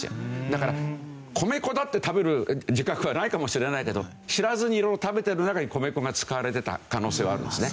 だから米粉だって食べる自覚はないかもしれないけど知らずに色々食べてる中に米粉が使われてた可能性はあるんですね。